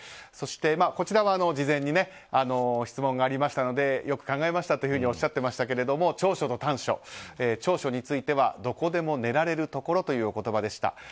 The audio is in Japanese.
そして、こちらは事前に質問がありましてのでよく考えましたとおっしゃっていましたが長所と短所長所についてはどこでも寝られるところというお言葉でした。